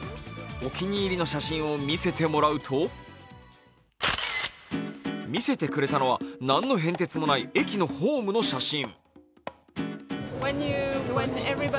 お気に入りの写真を見せてもらうと見せてくれたのは、何の変哲もない駅のホームの写真。